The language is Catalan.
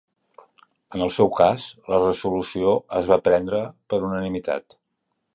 En el seu cas, la resolució es va prendre per unanimitat.